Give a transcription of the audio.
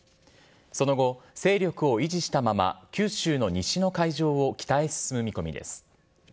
その後、勢力を維持したまま、九州の西の海上を北へ進む見込みです。